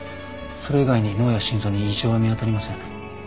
それ以外に脳や心臓に異常は見当たりません。